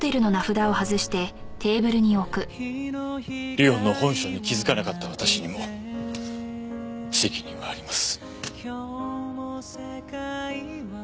莉音の本性に気づかなかった私にも責任はあります。